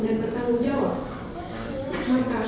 bertanggung jawab maka